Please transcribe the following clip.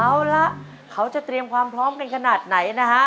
เอาละเขาจะเตรียมความพร้อมกันขนาดไหนนะฮะ